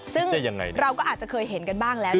ซึ่งเราก็อาจจะเคยเห็นกันบ้างแล้ว